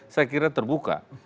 saya kira terbuka